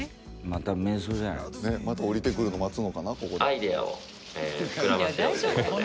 またおりてくるの待つのかな？